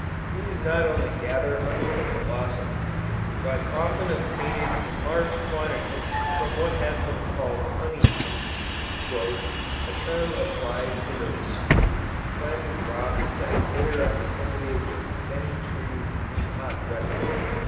Bees not only gather honey from the blossoms, but often obtain it in large quantities from what have been called honey dews; "a term applied to those sweet, clammy drops that glitter on the foliage of many trees in hot weather."